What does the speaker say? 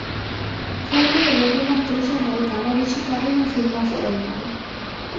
Fu una delle prime attrice americane a recitare in un film australiano.